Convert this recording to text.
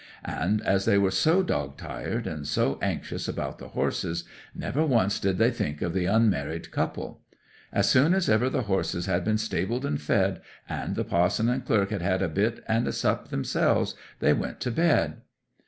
And as they were so dog tired, and so anxious about the horses, never once did they think of the unmarried couple. As soon as ever the horses had been stabled and fed, and the pa'son and clerk had had a bit and a sup theirselves, they went to bed.